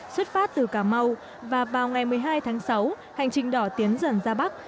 xuất phát từ cà mau và vào ngày một mươi hai tháng sáu hành trình đỏ tiến dần ra bắc